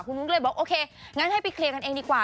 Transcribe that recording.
คุณนุ้งก็เลยบอกโอเคงั้นให้ไปเคลียร์กันเองดีกว่า